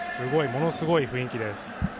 ものすごい雰囲気です。